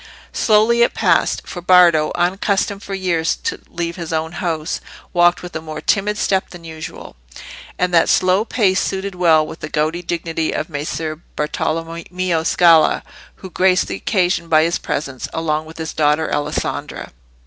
Slowly it passed, for Bardo, unaccustomed for years to leave his own house, walked with a more timid step than usual; and that slow pace suited well with the gouty dignity of Messer Bartolommeo Scala, who graced the occasion by his presence, along with his daughter Alessandra.